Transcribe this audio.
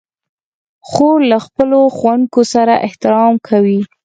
خور له خپلو ښوونکو سره احترام کوي.